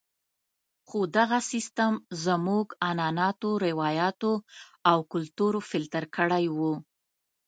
خو دغه سیستم زموږ عنعناتو، روایاتو او کلتور فلتر کړی وو.